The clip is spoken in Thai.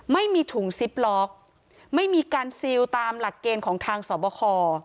ไม่มีถุงซิปล็อกไม่มีการซิลตามหลักเกณฑ์ของทางสอบคอ